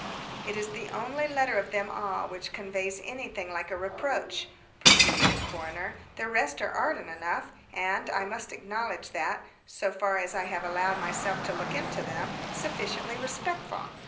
"It is the only letter of them all which conveys anything like a reproach," proceeded the coroner. "The rest are ardent enough and, I must acknowledge that, so far as I have allowed myself to look into them, sufficiently respectful.